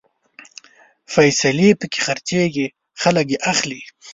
فیصلې پکې خرڅېږي، خلک يې اخلي